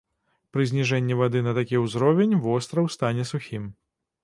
Пры зніжэнні вады на такі ўзровень востраў стане сухім.